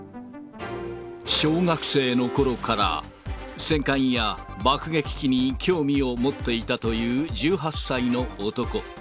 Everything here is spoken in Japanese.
小学生のころから、戦艦や爆撃機に興味を持っていたという１８歳の男。